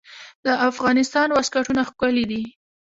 د افغانستان واسکټونه ښکلي دي